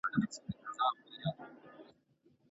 ایا ځايي کروندګر شین ممیز پلوري؟